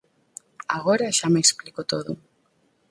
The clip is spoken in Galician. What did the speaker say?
Agora xa me explico todo.